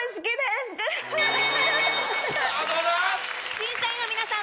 審査員の皆さん